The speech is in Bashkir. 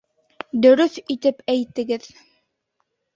Дөрөҫ итеп әйтегеҙ